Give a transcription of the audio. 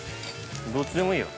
◆どっちでもいいよ。